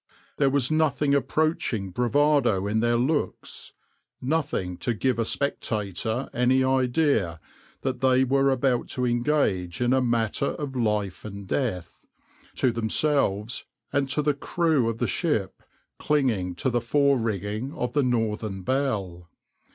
There was nothing approaching bravado in their looks, nothing to give a spectator any idea that they were about to engage in a matter of life or death, to themselves and the crew of the ship clinging to the fore rigging of the {\itshape{Northern Belle}}.